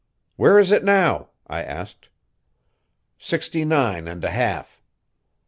"Where is it now?" I asked. "Sixty nine and a half."